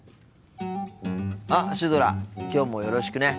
あっシュドラきょうもよろしくね。